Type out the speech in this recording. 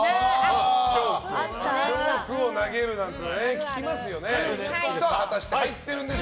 チョークを投げるなんて聞きますよね。